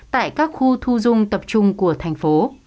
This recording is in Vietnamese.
tại các khu thu dung tập trung của thành phố